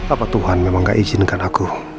apa tuhan memang gak izinkan aku